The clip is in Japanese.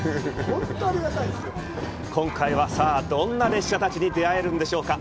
今回は、どんな列車たちに出会えるんでしょうか！